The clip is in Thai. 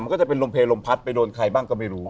ก็จะเป็นลมเพลลมพัดไปโดนใครบ้างก็ไม่รู้